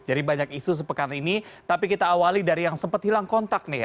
jadi banyak isu sepekan ini tapi kita awali dari yang sempat hilang kontak nih